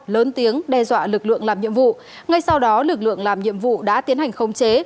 lớn tiếng đe dọa lực lượng làm nhiệm vụ ngay sau đó lực lượng làm nhiệm vụ đã tiến hành khống chế